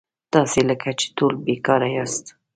تاسي لکه چې ټول بېکاره یاست.